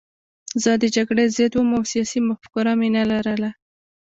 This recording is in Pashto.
زه د جګړې ضد وم او سیاسي مفکوره مې نه لرله